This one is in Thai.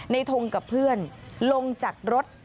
ทงกับเพื่อนลงจากรถ